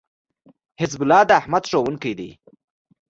حزب الله داحمد ښوونکی دی